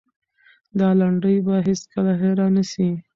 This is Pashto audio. دا لنډۍ به هېڅکله هېره نه سي.